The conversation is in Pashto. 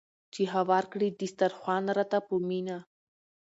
چې هوار کړي دسترخوان راته په مینه